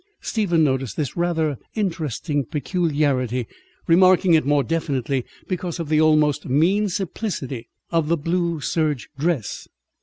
Stephen noticed this rather interesting peculiarity, remarking it more definitely because of the almost mean simplicity of the blue serge dress.